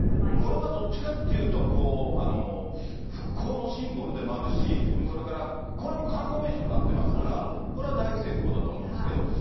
これはどっちかというと、復興のシンボルでもあるし、それからこれはもう観光名所になってますから、これは大成功だと思うんですけれども。